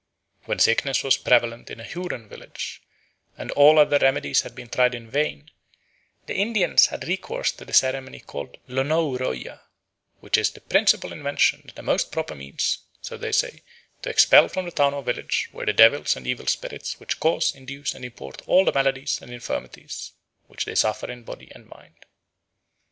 When sickness was prevalent in a Huron village, and all other remedies had been tried in vain, the Indians had recourse to the ceremony called Lonouyroya, "which is the principal invention and most proper means, so they say, to expel from the town or village the devils and evil spirits which cause, induce, and import all the maladies and infirmities which they suffer in body and mind."